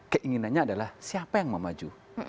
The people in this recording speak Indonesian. keinginannya adalah siapa yang mau maju